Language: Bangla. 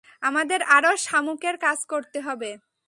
আমাদের আরো শামুকের কাজ করতে হবে।